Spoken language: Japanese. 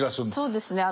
そうですね。